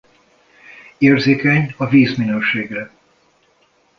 Érzékeny a vízminőségre.